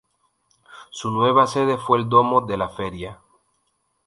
Su nueva sede fue el Domo de la Feria.